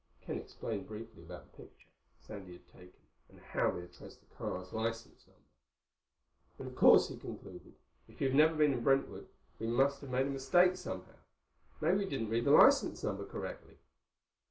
Ken explained, briefly, about the picture Sandy had taken and how they had traced the car's license number. "But, of course," he concluded, "if you've never been in Brentwood we must have made a mistake somehow. Maybe we didn't read the license number correctly."